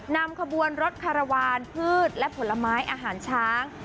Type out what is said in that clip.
นำขบวนรถคารวาลพืชและผลไม้อาหารช้าง